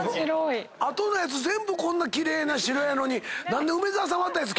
後のやつ全部こんな奇麗な白やのに。